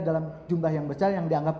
dalam jumlah yang besar yang dianggap